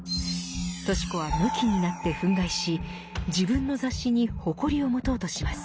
とし子はむきになって憤慨し自分の雑誌に誇りを持とうとします。